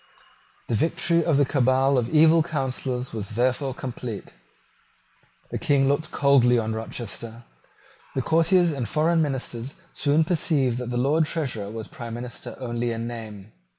The victory of the cabal of evil counsellors was therefore complete. The King looked coldly on Rochester. The courtiers and foreign ministers soon perceived that the Lord Treasurer was prime minister only in name.